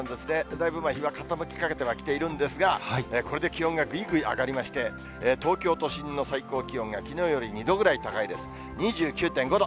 だいぶ日は傾きかけてはきているんですが、これで気温がぐいぐい上がりまして、東京都心の最高気温がきのうより２度ぐらい高いです、２９．５度。